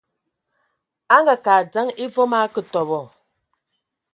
A ngaake a adzəŋ e voom a akǝ tɔbɔ.